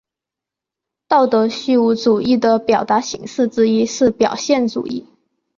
道德虚无主义的表达形式之一是表现主义。